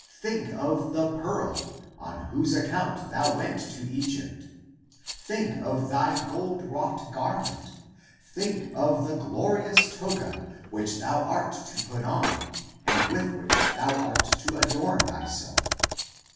Think of the pearl. On whose account thou wert sent to Egypt, Think of thy gold wrought garment, < Think of the glorious toga Which thou art to put on and with which thou art to adorn thyself.